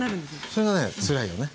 それがねつらいよね。